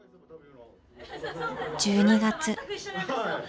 １２月。